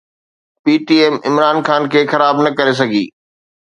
P T M Imran Khan کي خراب نه ڪري سگهي